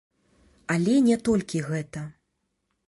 Але не толькі гэта.